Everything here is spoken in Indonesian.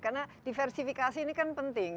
karena diversifikasi ini kan penting